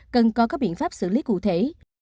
cần có các biện pháp xử lý cụ thể